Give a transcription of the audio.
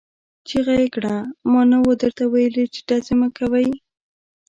چيغه يې کړه! ما نه وو درته ويلي چې ډزې مه کوئ!